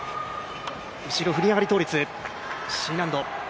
後ろ振り上がり倒立、Ｃ難度。